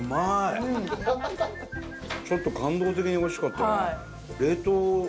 ちょっと感動的においしかったな。